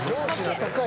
「高い！」